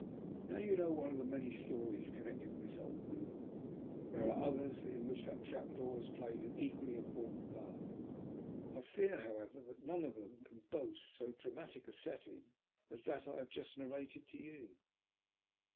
Now you know one of the many stories connected with this old room. There are others in which that trap door has played an equally important part. I fear, however, none of them can boast so dramatic a setting as that I have just narrated to you."